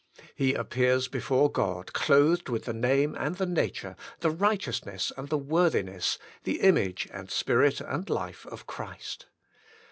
He appears before God clothed with the name and the nature, the righteousness and worthiness, the image and spirit and life of Christ.